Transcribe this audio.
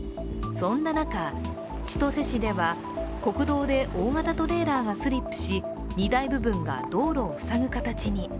そんな中、千歳市では国道で大型トレーラーがスリップし、荷台部分が道路を塞ぐ形に。